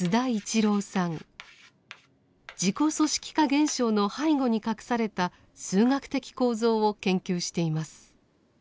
自己組織化現象の背後に隠された数学的構造を研究しています。